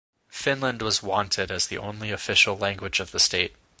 Finland was wanted as the only official language of the state.